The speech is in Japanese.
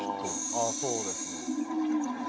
あぁそうですね。